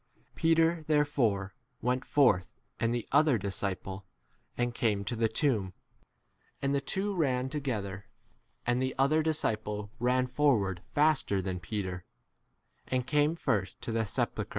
Peter therefore went forth and the other disciple, and 4 came to the tomb. And the two ran together, and the other dis ciple ran forward faster than Peter, and came first to the sepulchre, i See note to chap.